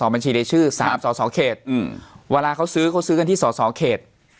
บัญชีในชื่อ๓สอสอเขตเวลาเขาซื้อเขาซื้อกันที่สอสอเขต